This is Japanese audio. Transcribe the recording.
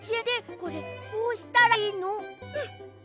これどうしたらいいの？